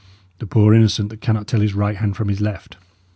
the poor innocent that cannot tell his right hand from his left."